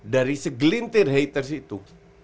dari segelintir haters itu